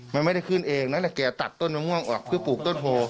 มันไม่ได้ขึ้นเองนะแต่แกตัดต้นมะม่วงออกเพื่อปลูกต้นโพ